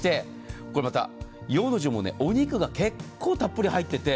洋の重もお肉が結構たっぷり入っていて。